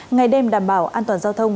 ngày đêm đảm bảo an toàn giao thông